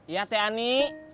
ya teh ani